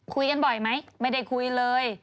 คุยกันบ่อยไหมไม่ได้คุยเลย